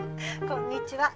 こんにちは。